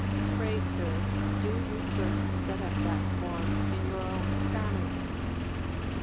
Pray, sir, do you first set up that form in your own family.